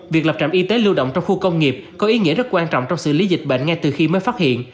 việc lập trạm y tế lưu động trong khu công nghiệp có ý nghĩa rất quan trọng trong xử lý dịch bệnh ngay từ khi mới phát hiện